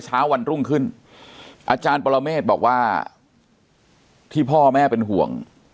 เช้าวันรุ่งขึ้นอาจารย์ปรเมฆบอกว่าที่พ่อแม่เป็นห่วง